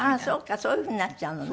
そういうふうになっちゃうのね。